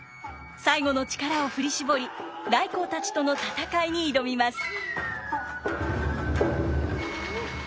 最後の力を振り絞り頼光たちとの戦いに挑みます。